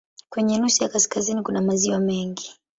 Kwenye nusu ya kaskazini kuna maziwa mengi.